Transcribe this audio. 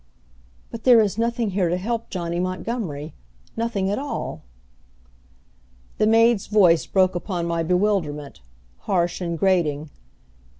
"But there is nothing here to help Johnny Montgomery nothing at all!" The maid's voice broke upon my bewilderment, harsh and grating.